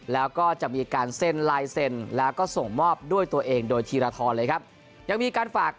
แล้วก็จะมีการเซ็นลายเซ็นแล้วก็ส่งมอบด้วยตัวเองโดยธีรทรเลยครับยังมีการฝาก